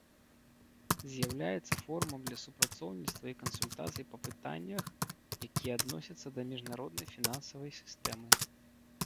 З'яўляецца форумам для супрацоўніцтва і кансультацый па пытаннях, якія адносяцца да міжнароднай фінансавай сістэмы.